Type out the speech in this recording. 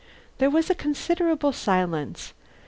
There was a considerable silence.